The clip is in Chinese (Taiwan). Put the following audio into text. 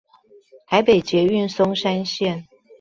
台北捷運松山線